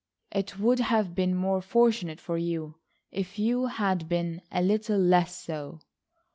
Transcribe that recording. "It would have been more fortunate for you if you had been a little less so."